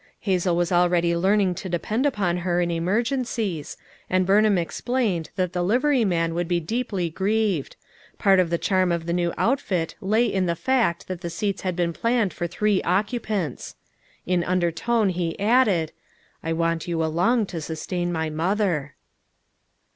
Hazel was already learning to depend on her in emergencies, and Burnham explained that the livery man would be deeply grieved; part of the charm of the now outfit lay in the fact that the seats had been planned for three occupants. In undertone he added: "I want you along to sustain my mother."